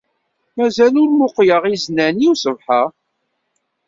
Mazal ur muqleɣ iznan-iw ṣṣbeḥ-a.